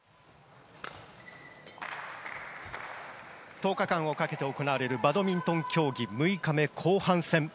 １０日間をかけて行われるバドミントン競技６日目、後半戦。